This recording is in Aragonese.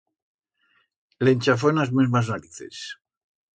Le'n chafó en as mesmas narices.